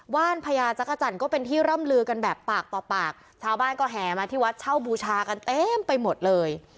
ว่านพญาจักรจันทร์ก็เป็นที่ร่ำลือกันแบบปากต่อปากชาวบ้านก็แห่มาที่วัดเช่าบูชากันเต็มไปหมดเลย